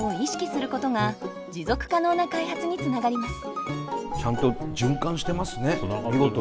このようにちゃんと循環してますね見事に。